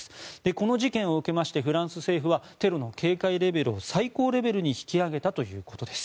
この事件を受けましてフランス政府はテロの警戒レベルを最高レベルに引き上げたということです。